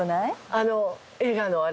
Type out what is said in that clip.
あの映画のあれ。